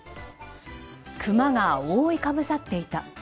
クマが覆いかぶさっていた。